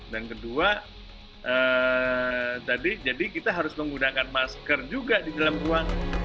dan kedua jadi kita harus menggunakan masker juga di dalam ruang